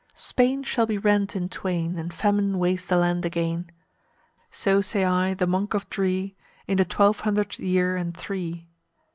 Spain shall be rent in twain, And famine waste the land again. So say I, the Monk of Dree, In the twelve hundredth year and three."